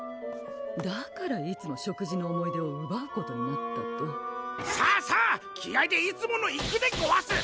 だからいつも食事の思い出をうばうことになったとさぁさぁ気合でいつものいくでごわす！